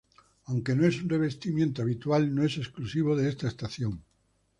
Aunque no es un revestimiento habitual no es exclusivo de esta estación.